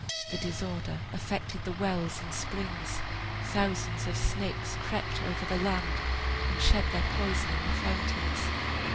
The disorder affected the wells and springs; thousands of snakes crept over the land and shed their poison in the fountains.